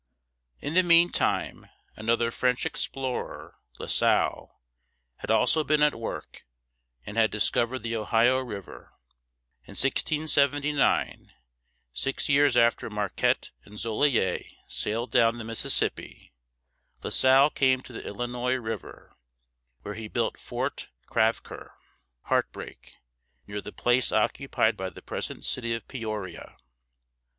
In the meantime, another French explorer, La Salle (lah sahl´), had also been at work, and had discovered the Ohio River. In 1679, six years after Marquette and Joliet sailed down the Mississippi, La Salle came to the Illinois River, where he built Fort Crèvecœur (crāv´ker) ("heartbreak"), near the place occupied by the present city of Pe o´ri a.